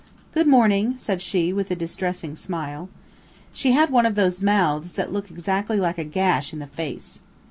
"Good morning," said she, with a distressing smile. She had one of those mouths that look exactly like a gash in the face.